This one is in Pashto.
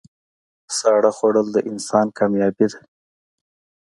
ساړه خوړل د انسان کامیابي ده.